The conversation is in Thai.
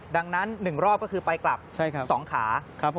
ดังนั้น๑รอบก็คือไปกลับ๒ขา